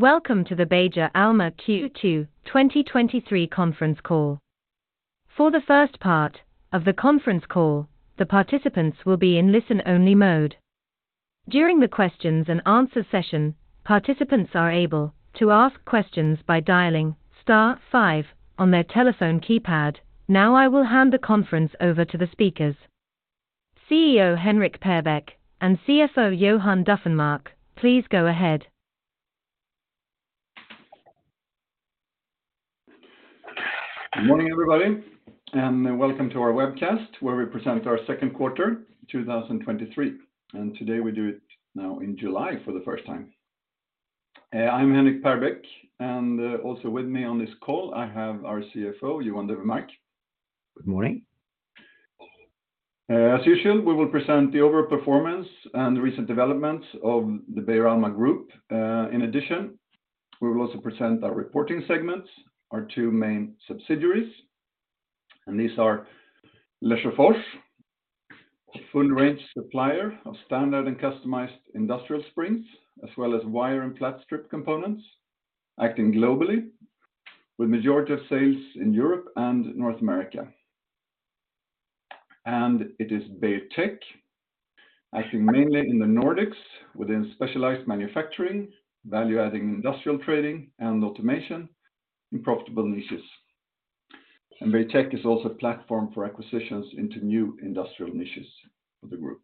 Welcome to the Beijer Alma Q2 2023 conference call. For the first part of the conference call, the participants will be in listen-only mode. During the questions and answer session, participants are able to ask questions by dialing star five on their telephone keypad. Now, I will hand the conference over to the speakers. CEO Henrik Perbeck and CFO Johan Dufvenmark, please go ahead. Good morning, everybody, and welcome to our webcast, where we present our 2nd quarter, 2023. Today, we do it now in July for the first time. I'm Henrik Perbeck, and also with me on this call, I have our CFO, Johan Dufvenmark. Good morning. As usual, we will present the overall performance and recent developments of the Beijer Alma group. In addition, we will also present our reporting segments, our two main subsidiaries, and these are Lesjöfors, a full range supplier of standard and customized industrial springs, as well as wire and flat strip components, acting globally with majority of sales in Europe and North America. It is Beijer Tech, acting mainly in the Nordics within specialized manufacturing, value-adding industrial trading and automation in profitable niches. Beijer Tech is also a platform for acquisitions into new industrial niches for the group.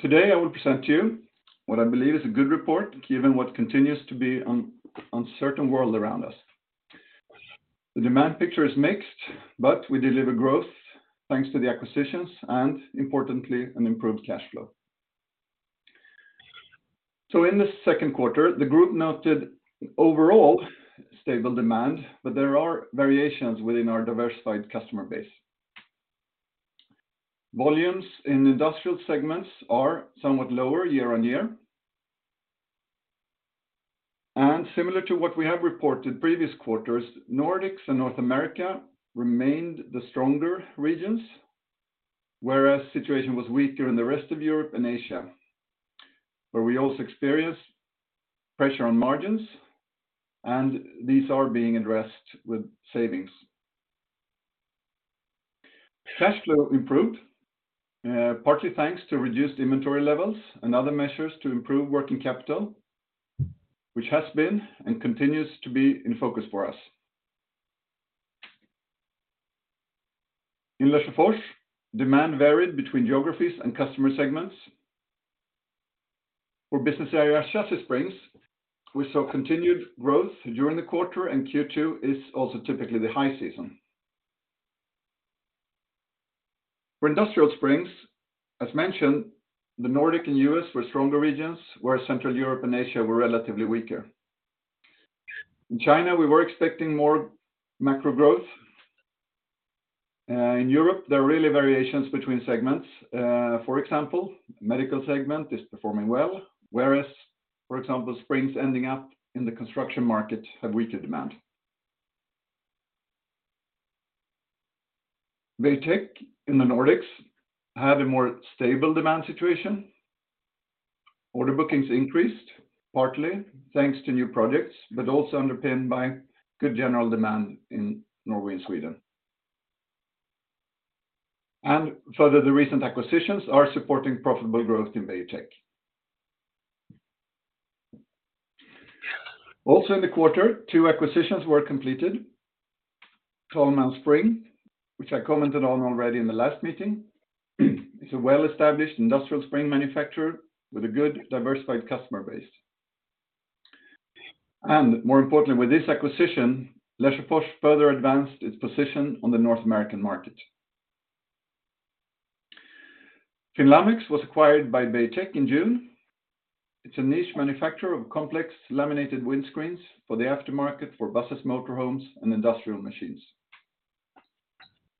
Today I will present to you what I believe is a good report, given what continues to be uncertain world around us. The demand picture is mixed, but we deliver growth thanks to the acquisitions and importantly, an improved cash flow. In this second quarter, the group noted overall stable demand, but there are variations within our diversified customer base. Volumes in industrial segments are somewhat lower year-on-year. Similar to what we have reported previous quarters, Nordics and North America remained the stronger regions, whereas situation was weaker in the rest of Europe and Asia, where we also experienced pressure on margins, and these are being addressed with savings. Cash flow improved, partly thanks to reduced inventory levels and other measures to improve working capital, which has been and continues to be in focus for us. In Lesjöfors, demand varied between geographies and customer segments. For business area, Chassis Springs, we saw continued growth during the quarter, and Q2 is also typically the high season. For industrial springs, as mentioned, the Nordic and U.S. were stronger regions, whereas Central Europe and Asia were relatively weaker. In China, we were expecting more macro growth. In Europe, there are really variations between segments. For example, medical segment is performing well, whereas, for example, springs ending up in the construction market have weaker demand. Beijer Tech in the Nordics had a more stable demand situation. Order bookings increased, partly thanks to new projects, but also underpinned by good general demand in Norway and Sweden. Further, the recent acquisitions are supporting profitable growth in Beijer Tech. Also in the quarter, two acquisitions were completed. Tollman Spring, which I commented on already in the last meeting, is a well-established industrial spring manufacturer with a good diversified customer base. More importantly, with this acquisition, Lesjöfors further advanced its position on the North American market. Finn Lamex was acquired by Beijer Tech in June. It's a niche manufacturer of complex laminated windscreens for the aftermarket, for buses, motor homes, and industrial machines.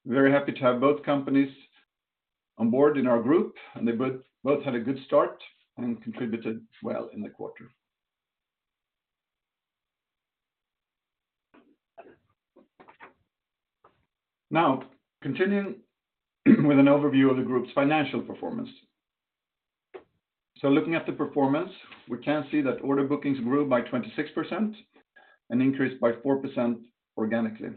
Very happy to have both companies on board in our group, and they both had a good start and contributed well in the quarter. Continuing with an overview of the group's financial performance. Looking at the performance, we can see that order bookings grew by 26% and increased by 4% organically.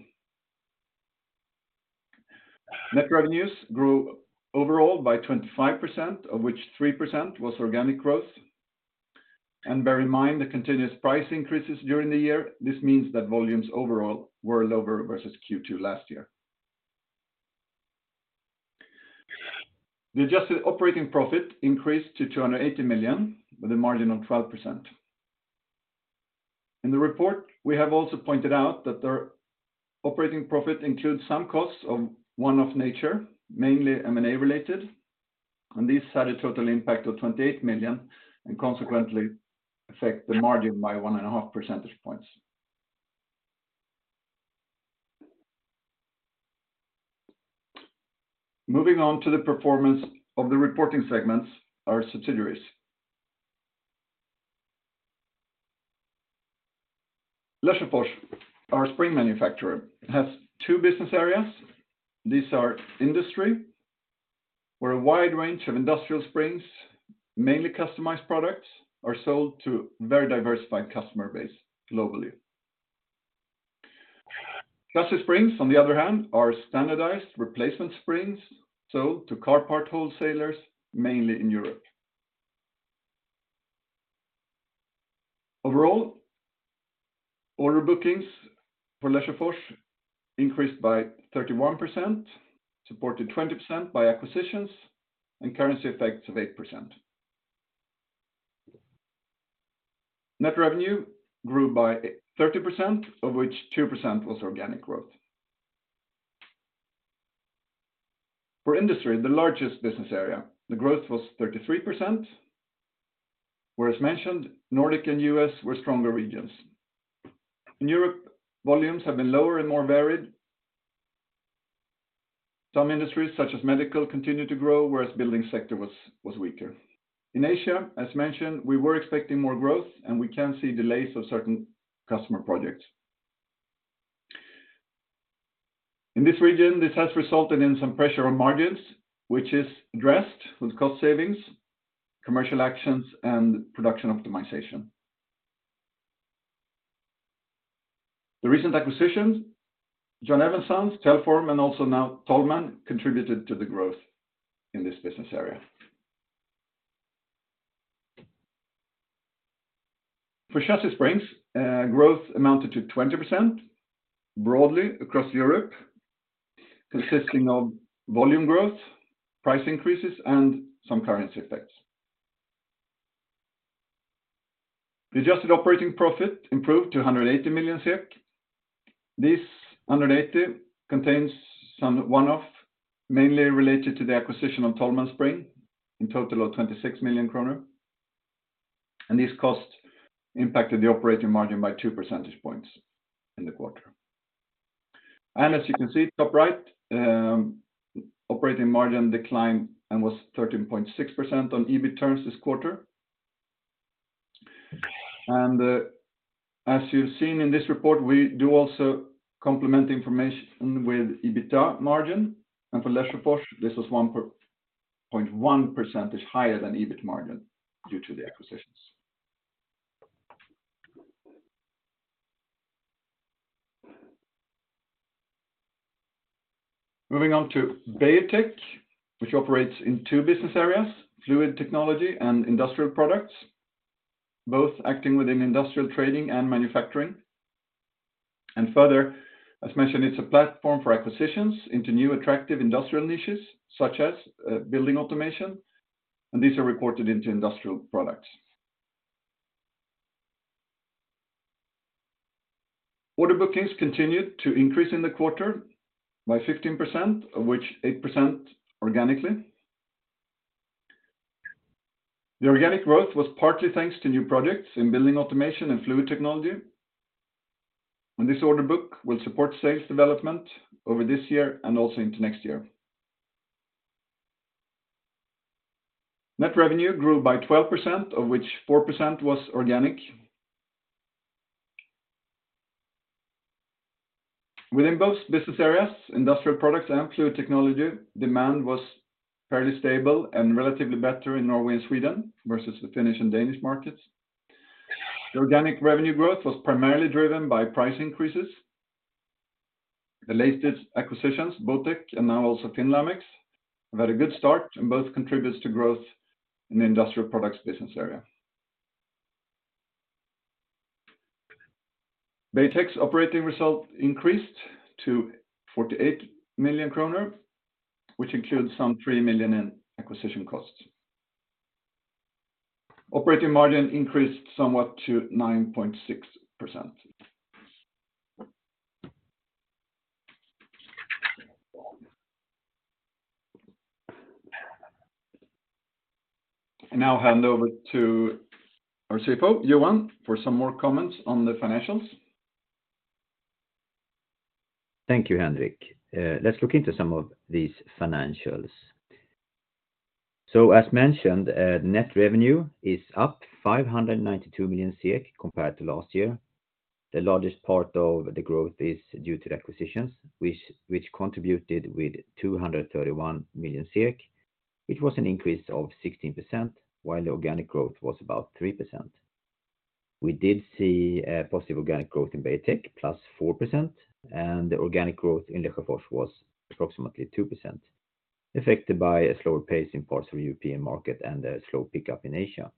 Net revenues grew overall by 25%, of which 3% was organic growth. Bear in mind the continuous price increases during the year. This means that volumes overall were lower versus Q2 last year. The adjusted operating profit increased to 280 million, with a margin on 12%. In the report, we have also pointed out that the operating profit includes some costs of one-off nature, mainly M&A related, and these had a total impact of 28 million, and consequently affect the margin by 1.5 percentage points. Moving on to the performance of the reporting segments, our subsidiaries.... Lesjöfors, our spring manufacturer, has two business areas. These are industry, where a wide range of industrial springs, mainly customized products, are sold to very diversified customer base globally. Chassis Springs, on the other hand, are standardized replacement springs, sold to car part wholesalers, mainly in Europe. Overall, order bookings for Lesjöfors increased by 31%, supported 20% by acquisitions, currency effects of 8%. Net revenue grew by 30%, of which 2% was organic growth. For industry, the largest business area, the growth was 33%, where, as mentioned, Nordic and U.S. were stronger regions. In Europe, volumes have been lower and more varied. Some industries, such as medical, continue to grow, whereas building sector was weaker. In Asia, as mentioned, we were expecting more growth, we can see delays of certain customer projects. In this region, this has resulted in some pressure on margins, which is addressed with cost savings, commercial actions, and production optimization. The recent acquisitions, John Evans' Sons, Telform, and also now Tollman, contributed to the growth in this business area. For Chassis Springs, growth amounted to 20% broadly across Europe, consisting of volume growth, price increases, and some currency effects. The adjusted operating profit improved to 180 million SEK. This under eighty contains some one-off, mainly related to the acquisition of Tollman Spring, in total of 26 million kronor, and these costs impacted the operating margin by 2 percentage points in the quarter. As you can see, top right, operating margin declined and was 13.6% on EBIT terms this quarter. As you've seen in this report, we do also complement the information with EBITA margin, and for Lesjöfors, this was 1.1 percentage higher than EBIT margin due to the acquisitions. Moving on to Beijer Tech, which operates in two business areas, fluid technology and industrial products, both acting within industrial trading and manufacturing. Further, as mentioned, it's a platform for acquisitions into new attractive industrial niches, such as building automation, and these are reported into industrial products. Order bookings continued to increase in the quarter by 15%, of which 8% organically. The organic growth was partly thanks to new projects in building automation and fluid technology. This order book will support sales development over this year and also into next year. Net revenue grew by 12%, of which 4% was organic. Within both business areas, industrial products and fluid technology, demand was fairly stable and relatively better in Norway and Sweden versus the Finnish and Danish markets. The organic revenue growth was primarily driven by price increases. The latest acquisitions, Botek, and now also Finn Lamex, have had a good start, and both contributes to growth in the industrial products business area. Beijer Tech's operating result increased to 48 million kronor, which includes some 3 million SEK in acquisition costs. Operating margin increased somewhat to 9.6%. I now hand over to our CFO, Johan, for some more comments on the financials. Thank you, Henrik. Let's look into some of these financials. As mentioned, net revenue is up 592 million compared to last year. The largest part of the growth is due to acquisitions, which contributed with 231 million, which was an increase of 16%, while the organic growth was about 3%. We did see a positive organic growth in Beijer Tech, +4%, and the organic growth in Lesjöfors was approximately 2%, affected by a slower pace in parts of the European market and a slow pickup in Asia.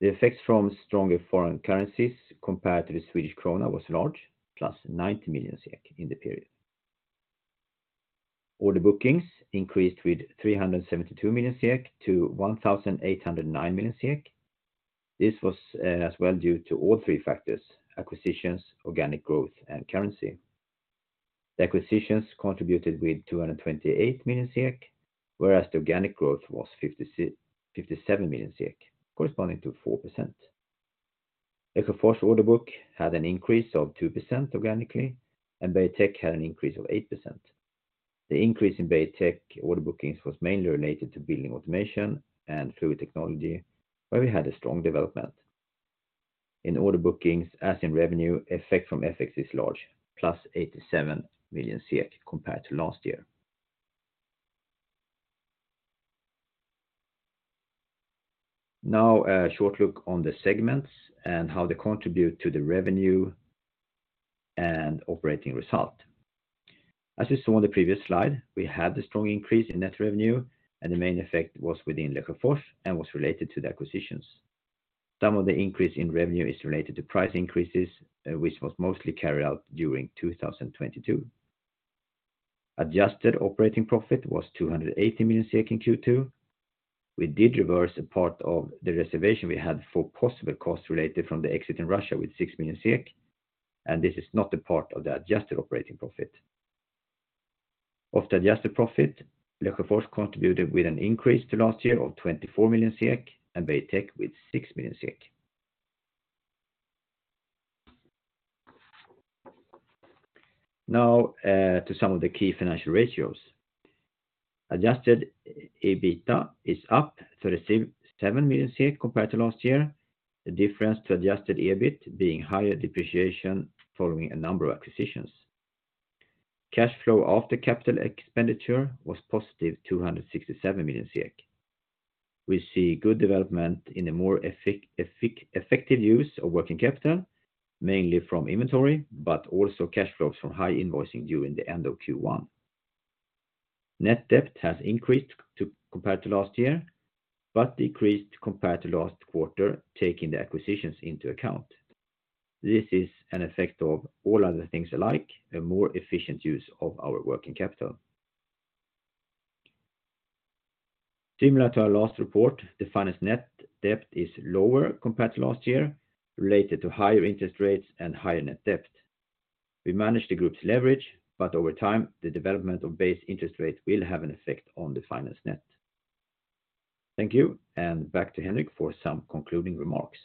The effects from stronger foreign currencies compared to the Swedish krona was large, +90 million SEK in the period. Order bookings increased with 372 million SEK to 1,809 million SEK. This was as well due to all three factors: acquisitions, organic growth, and currency. The acquisitions contributed with 228 million, whereas the organic growth was 57 million, corresponding to 4%. Lesjöfors order book had an increase of 2% organically, and Beijer Tech had an increase of 8%. The increase in Beijer Tech order bookings was mainly related to building automation and fluid technology, where we had a strong development. In order bookings, as in revenue, effect from FX is large, +87 million SEK compared to last year. Now, a short look on the segments and how they contribute to the revenue and operating result. As you saw on the previous slide, we had a strong increase in net revenue, and the main effect was within Lesjöfors and was related to the acquisitions. Some of the increase in revenue is related to price increases, which was mostly carried out during 2022. Adjusted operating profit was 280 million in Q2. We did reverse a part of the reservation we had for possible costs related from the exit in Russia with 6 million SEK. This is not a part of the adjusted operating profit. Of the adjusted profit, Lesjöfors contributed with an increase to last year of 24 million and Beijer Tech with 6 million. To some of the key financial ratios. Adjusted EBITDA is up 37 million compared to last year, the difference to adjusted EBIT being higher depreciation following a number of acquisitions. Cash flow after capital expenditure was positive, 267 million. We see good development in a more effective use of working capital, mainly from inventory, but also cash flows from high invoicing during the end of Q1. Net debt has increased to, compared to last year, but decreased compared to last quarter, taking the acquisitions into account. This is an effect of all other things alike, a more efficient use of our working capital. Similar to our last report, the finance net debt is lower compared to last year, related to higher interest rates and higher net debt. We managed the group's leverage, but over time, the development of base interest rates will have an effect on the finance net. Thank you. Back to Henrik for some concluding remarks.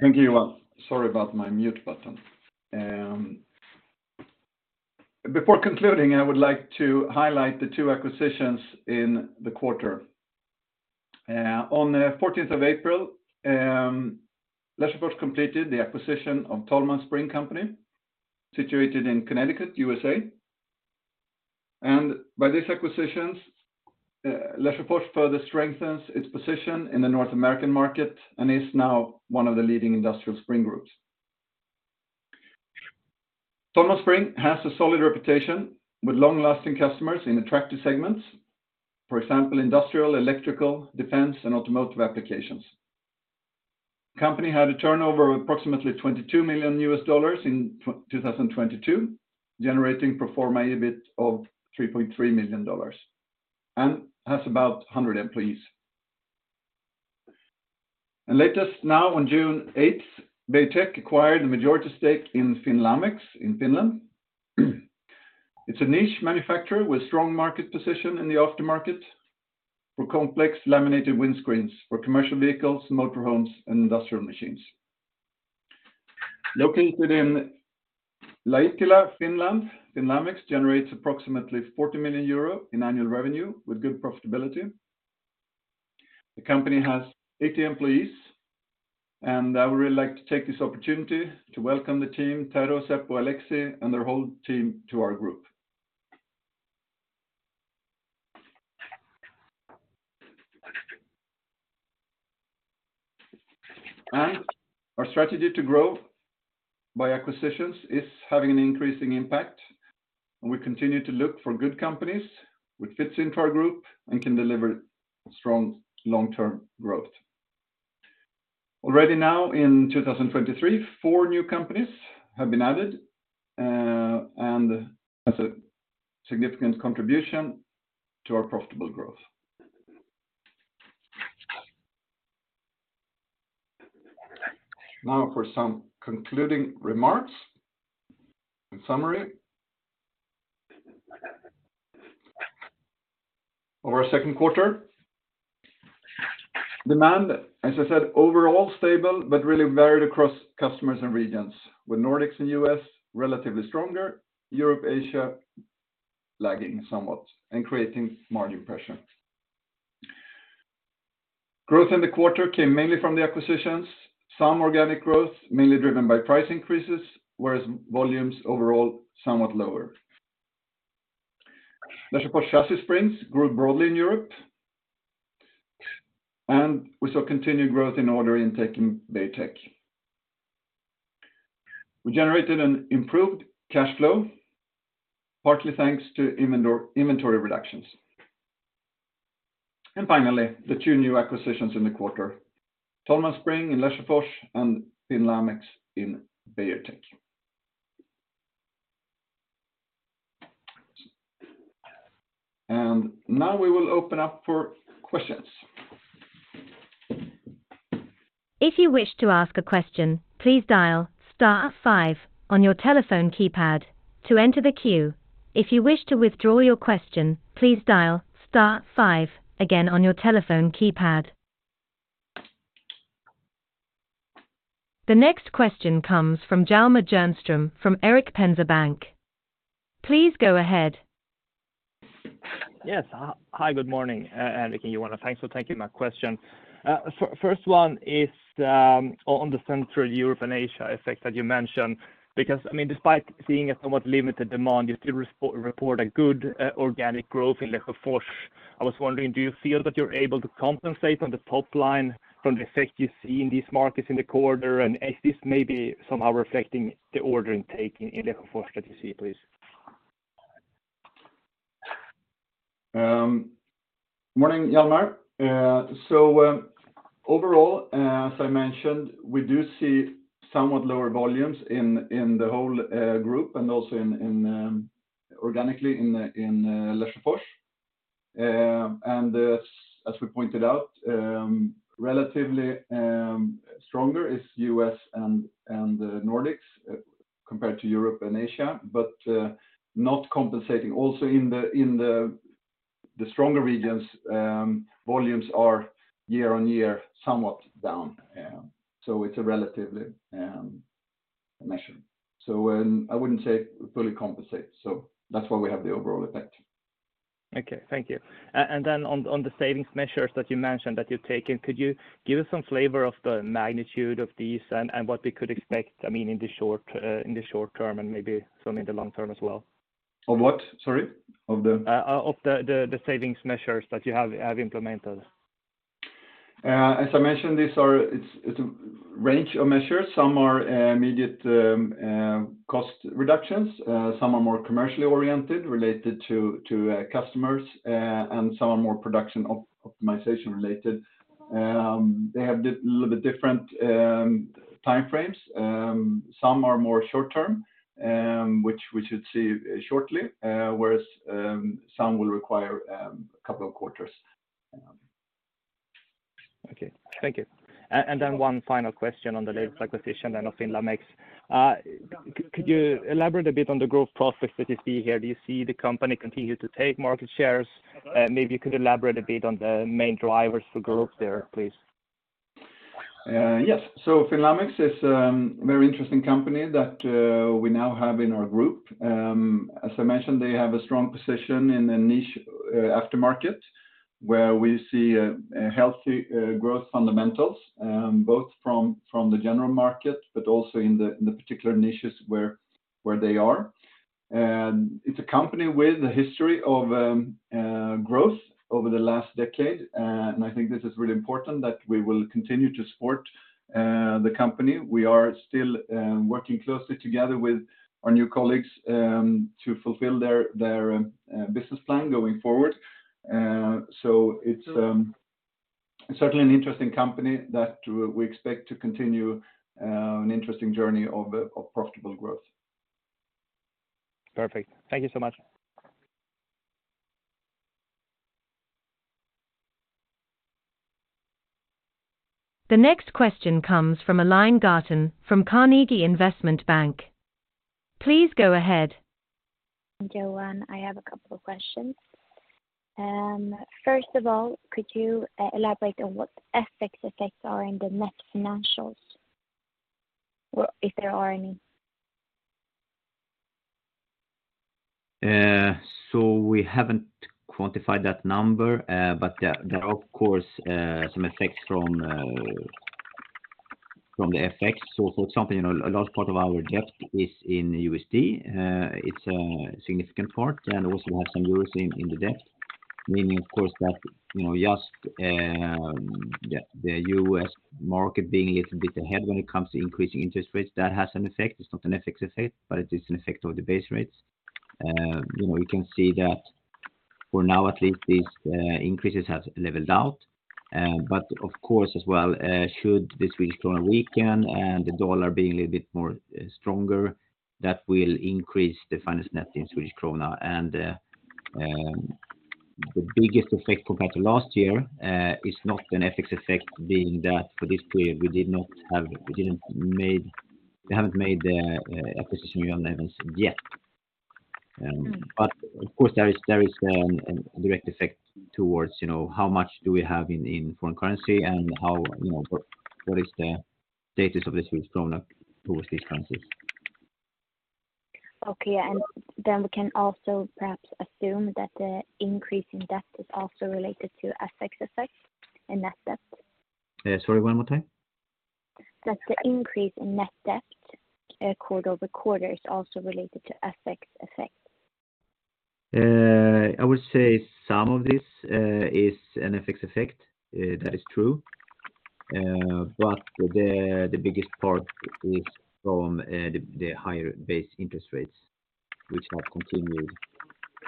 Thank you, Johan. Sorry about my mute button. Before concluding, I would like to highlight the 2 acquisitions in the quarter. On the fourteenth of April, Lesjöfors completed the acquisition of Tollman Spring Company, situated in Connecticut, USA. By this acquisitions, Lesjöfors further strengthens its position in the North American market and is now 1 of the leading industrial spring groups. Tollman Spring has a solid reputation with long-lasting customers in attractive segments, for example, industrial, electrical, defense, and automotive applications. Company had a turnover of approximately $22 million in 2022, generating performance EBIT of $3.3 million, and has about 100 employees. Latest now on June eighth, Beijer Tech acquired a majority stake in Finn Lamex in Finland. It's a niche manufacturer with strong market position in the aftermarket for complex laminated windscreens for commercial vehicles, motorhomes, and industrial machines. Located in Laitila, Finland, Finn Lamex generates approximately 40 million euro in annual revenue with good profitability. The company has 80 employees. I would really like to take this opportunity to welcome the team, Tarsu, Seppo, Aleksi, and their whole team to our group. Our strategy to grow by acquisitions is having an increasing impact, and we continue to look for good companies which fits into our group and can deliver strong long-term growth. Already now in 2023, 4 new companies have been added. That's a significant contribution to our profitable growth. Now for some concluding remarks. In summary, over our second quarter, demand, as I said, overall stable, but really varied across customers and regions, with Nordics and U.S. relatively stronger, Europe, Asia lagging somewhat and creating margin pressure. Growth in the quarter came mainly from the acquisitions, some organic growth, mainly driven by price increases, whereas volumes overall, somewhat lower. Lesjöfors Chassis Springs grew broadly in Europe, and we saw continued growth in order in taking Beijer Tech. We generated an improved cash flow, partly thanks to inventory reductions. Finally, the two new acquisitions in the quarter, Tollman Spring in Lesjöfors and Finn Lamex in Beijer Tech. Now we will open up for questions. If you wish to ask a question, please dial star 5 on your telephone keypad to enter the queue. If you wish to withdraw your question, please dial star 5 again on your telephone keypad. The next question comes from Hjalmar Jernström from Erik Penser Bank. Please go ahead. Yes. Hi, good morning, Eric, and Johan. Thanks for taking my question. First one is, I mean, on the Central Europe and Asia effect that you mentioned, because, I mean, despite seeing a somewhat limited demand, you still report a good organic growth in Lesjöfors. I was wondering, do you feel that you're able to compensate on the top line for the effects you see in these markets this quarter? Does this somehow reflect the order intake in Lesjöfors? Morning, Hjalmar. As I mentioned, we do see somewhat lower volumes in the whole group, and also in organically in Lesjöfors. As we pointed out, relatively stronger is U.S. and the Nordics compared to Europe and Asia, not compensating also in the stronger regions, volumes are year-on-year, somewhat down. It's a relatively measured. I wouldn't say fully compensate, that's why we have the overall effect. Okay. Thank you. Then on the savings measures that you mentioned that you're taking, could you give us some flavor of the magnitude of these and what we could expect, I mean, in the short term, and maybe some in the long term as well? Of what? Sorry. Of the. of the savings measures that you have implemented. As I mentioned, it's a range of measures. Some are immediate cost reductions, some are more commercially oriented, related to customers, some are more production optimization related. They have little bit different time frames. Some are more short term, which we should see shortly, whereas some will require a couple of quarters. Okay. Thank you. One final question on the latest acquisition then of Finn Lamex. Could you elaborate a bit on the growth prospects that you see here? Do you see the company continue to take market shares? Maybe you could elaborate a bit on the main drivers for growth there, please? Yes. Finn Lamex is a very interesting company that we now have in our group. As I mentioned, they have a strong position in a niche aftermarket, where we see a healthy growth fundamentals, both from the general market, but also in the particular niches where they are. It's a company with a history of growth over the last decade, and I think this is really important that we will continue to support the company. We are still working closely together with our new colleagues to fulfill their business plan going forward. It's certainly an interesting company that we expect to continue an interesting journey of profitable growth. Perfect. Thank you so much. The next question comes from Aline Garten from Carnegie Investment Bank. Please go ahead. Johan, I have a couple of questions. First of all, could you elaborate on what FX effects are in the net financials, or if there are any? We haven't quantified that number, there are, of course, some effects from the FX. Something, A large part of our debt is in USD. It's a significant part, and also have some euros in the debt. Meaning, of course, that, you know, just the U.S. market being a little bit ahead when it comes to increasing interest rates, that has an effect. It's not an FX effect, but it is an effect of the base rates. You know, you can see that for now at least, these increases have leveled out. Of course, as well, should this Swedish krona weaken and the dollar being a little bit more stronger, that will increase the finance net in Swedish krona. The biggest effect compared to last year is not an FX effect, being that for this period we haven't made the acquisition yet. Of course, there is a direct effect Towards how much do we have in foreign currency and what is the status of this Swedish krona towards these countries? Okay. Then we can also perhaps assume that the increase in debt is also related to FX effect in net debt? sorry, one more time. The increase in net debt, quarter-over-quarter, is also related to FX effect? I would say some of this is an FX effect. That is true. The biggest part is from the higher base interest rates, which have continued.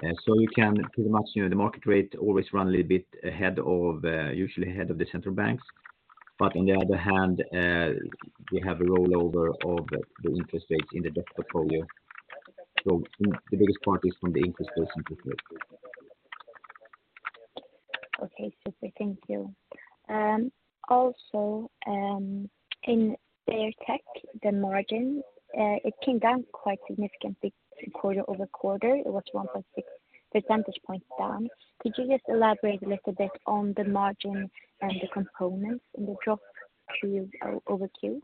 You can the market rate always run a little bit ahead of usually ahead of the central banks. On the other hand, we have a rollover of the interest rates in the debt portfolio. The biggest part is from the interest rates. Okay, super. Thank you. Also, in Beijer Tech, the margin, it came down quite significantly quarter-over-quarter. It was 1.6 percentage points down. Could you just elaborate a little bit on the margin and the components in the drop Q-over-Q?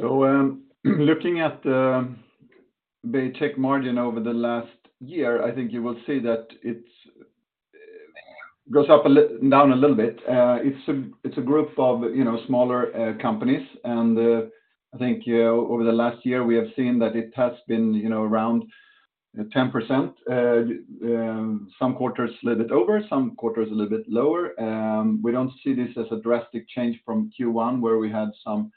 Looking at the Beijer Tech margin over the last year, I think you will see that it's goes down a little bit. It's a group of, you know, smaller companies. I think, over the last year, we have seen that it has been, you know, around 10%, some quarters a little bit over, some quarters a little bit lower. We don't see this as a drastic change from Q1, where we had some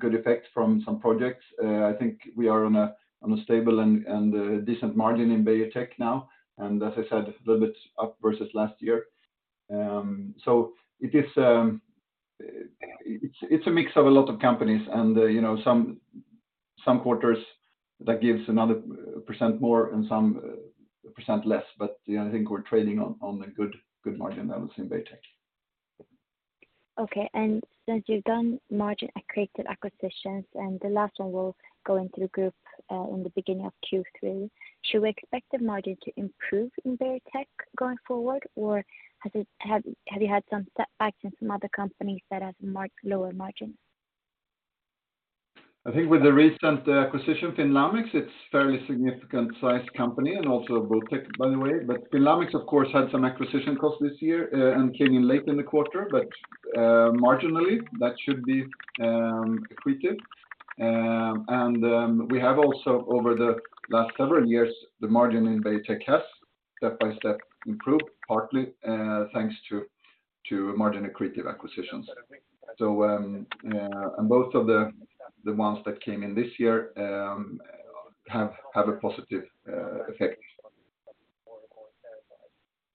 good effects from some projects. I think we are on a stable and decent margin in Beijer Tech now, and as I said, a little bit up versus last year. It is. It's a mix of a lot of companies And some quarters that gives another % more and some % less, but, yeah, I think we're trading on a good margin that was in Beijer Tech. Okay. Since you've done margin accretive acquisitions, and the last one will go into the group, in the beginning of Q3, should we expect the margin to improve in Beijer Tech going forward, or have you had some setbacks in some other companies that has marked lower margins? I think with the recent acquisition, Finn Lamex, it's a fairly significant size company and also a Beijer Tech, by the way. Finn Lamex, of course, had some acquisition costs this year, and came in late in the quarter, but marginally, that should be accretive. We have also over the last several years, the margin in Beijer Tech has step-by-step improved, partly thanks to margin accretive acquisitions. Both of the ones that came in this year, have a positive effect.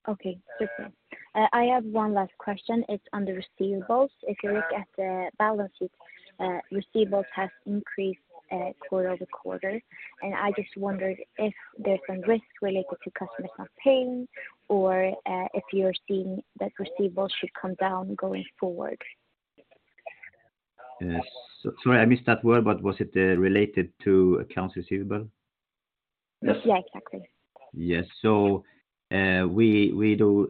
Okay, super. I have one last question. It's on the receivables. If you look at the balance sheet, receivables have increased, quarter-over-quarter, I just wondered if there's some risk related to customers not paying or, if you're seeing that receivables should come down going forward. Yes. Sorry, I missed that word, but was it related to accounts receivable? Yes, exactly. Yes. We do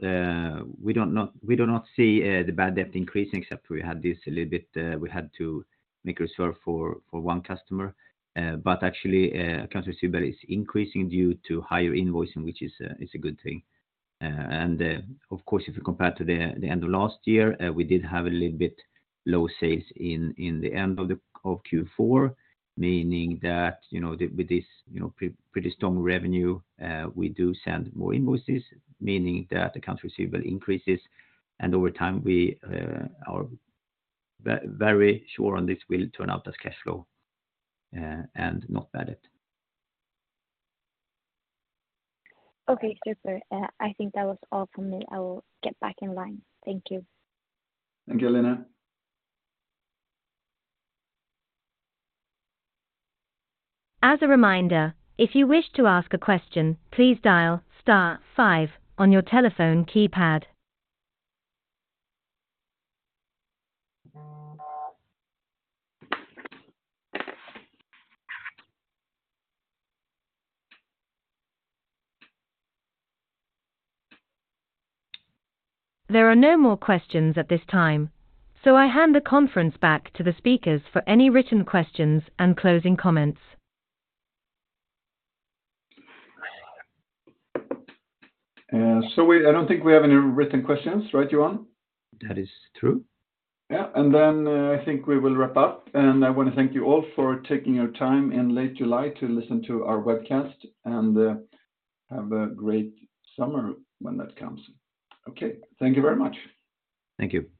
not see the bad debt increasing, except we had this a little bit, we had to make a reserve for one customer. Actually, accounts receivable is increasing due to higher invoicing, which is a good thing. Of course, if you compare to the end of last year, we did have a little bit low sales in the end of Q4, meaning that, you know, with this, you know, pretty strong revenue, we do send more invoices, meaning that accounts receivable increases, and over time, we are very sure on this will turn out as cash flow, and not bad debt. Okay, super. I think that was all from me. I will get back in line. Thank you. Thank you, Lena. As a reminder, if you wish to ask a question, please dial star five on your telephone keypad. There are no more questions at this time, I hand the conference back to the speakers for any written questions and closing comments. I don't think we have any written questions, right, Johan? That is true. Yeah, then, I think we will wrap up. I want to thank you all for taking your time in late July to listen to our webcast. Have a great summer when that comes. Okay, thank you very much. Thank you.